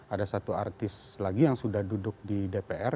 ada satu artis lagi yang sudah duduk di dpr